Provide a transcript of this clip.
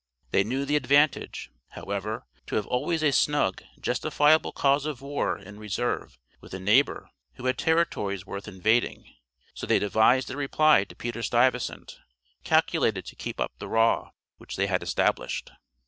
They knew the advantage, however, to have always a snug, justifiable cause of war in reserve with a neighbor who had territories worth invading; so they devised a reply to Peter Stuyvesant, calculated to keep up the "raw" which they had established.